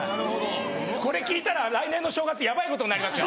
これ聞いたら来年の正月やばいことになりますよ。